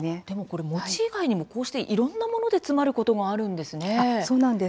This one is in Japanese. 餅以外にもいろいろなもので詰まることがあるんですね。